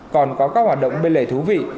còn có các hoạt động bên lề thú vị